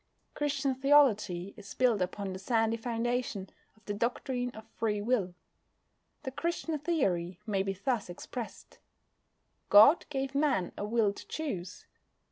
Christian theology is built upon the sandy foundation of the doctrine of Free Will. The Christian theory may be thus expressed: God gave Man a will to choose.